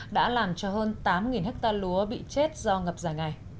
đã làm cho hơn tám ha lúa bị chết do ngập dài ngày